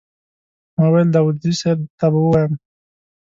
ما ویل داوودزي صیب ته به ووایم.